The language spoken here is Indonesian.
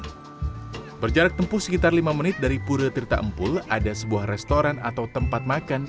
hai berjarak tempuh sekitar lima menit dari pura tirta empul ada sebuah restoran atau tempat makan